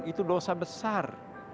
itu dosa besar